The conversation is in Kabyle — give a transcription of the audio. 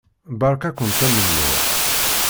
Beṛka-kent amennuɣ.